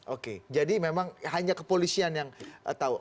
oke jadi memang hanya kepolisian yang tahu